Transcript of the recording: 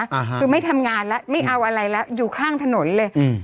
อ่าฮะคือไม่ทำงานแล้วไม่เอาอะไรแล้วอยู่ข้างถนนเลยอืม